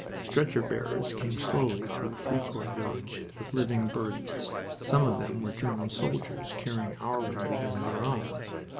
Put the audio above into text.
Stretcher bearers came slowly through Fricourt village with living burdens. Some of them were German soldiers carrying our wounded and their own.